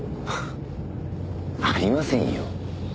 ありませんよ。